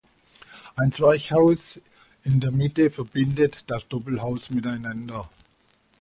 Ein Zwerchhaus in der Mitte verbindet das Doppelhaus miteinander.